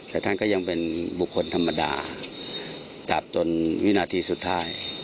แต่ท่านก็ยังเป็นบุคคลธรรมดาจับจนวินาทีสุดท้าย